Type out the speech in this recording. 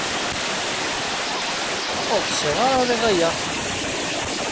Ur ḥṣiɣ ara riɣ aya.